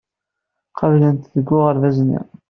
Qeblen-t deg uɣerbaz-nni.